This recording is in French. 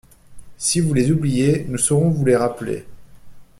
Si vous les oubliez, nous saurons vous les rappeler.